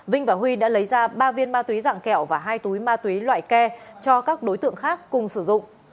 vinh và huy đã lấy ra ba viên ma túy dạng kẹo và hai túi ma túy loại ke cho các đối tượng khác cùng sử dụng